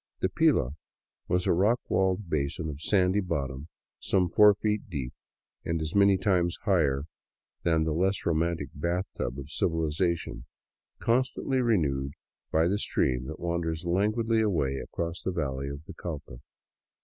The " pila " was a rock walled basin of sandy bottom, some four feet deep and as many times larger than the less romantic bathtub of civilization, constantly renewed by the stream that wanders languidly away across the valley of the Cauca.